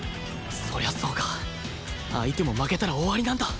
そりゃそうか相手も負けたら終わりなんだ！